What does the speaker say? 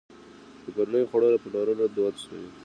د کورنیو خوړو پلورل دود شوي؟